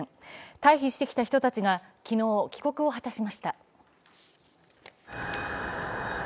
退避してきた人たちが昨日、帰国を果たしました。